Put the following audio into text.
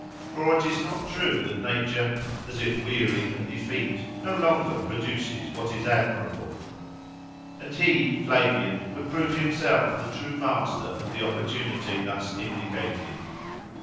For it is not true that nature, as if weary and effete, no longer produces what is admirable." And he, Flavian, would prove himself the true master of the opportunity thus indicated.